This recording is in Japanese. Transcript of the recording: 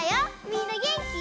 みんなげんき？